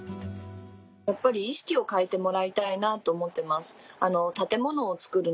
やっぱり意識を変えてもらいたいなと思ってます。